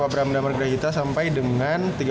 abraham ndamargerahita sampai dengan